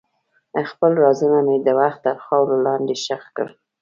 خپل رازونه مې د وخت تر خاورو لاندې ښخ کړل.